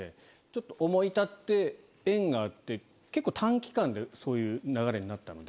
ちょっと思い立って縁があって結構短期間でそういう流れになったので。